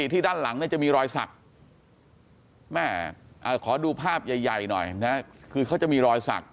ที่ด้านหลังจะมีรอยสักแม่ขอดูภาพใหญ่หน่อยนะคือเขาจะมีรอยสัก